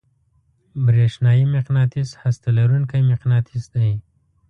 برېښنايي مقناطیس هسته لرونکی مقناطیس دی.